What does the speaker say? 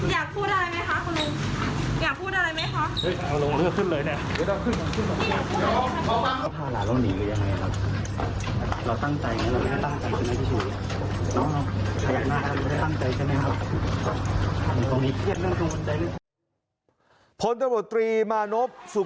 อยากพูดอะไรไหมคะคุณลุงอยากพูดอะไรไหมคะ